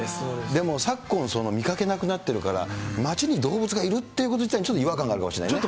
でも昨今、見かけなくなってるから、街に動物がいるってこと自体にちょっと違和感あるかもしれないね。